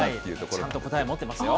ちゃんと答え持ってますよ。